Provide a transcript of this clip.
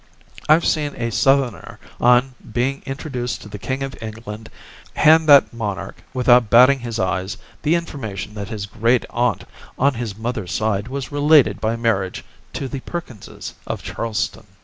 I've seen a Southerner on being introduced to the King of England hand that monarch, without batting his eyes, the information that his grand aunt on his mother's side was related by marriage to the Perkinses, of Charleston.